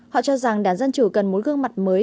họ cho rằng đảng dân chủ cần một gương mặt mới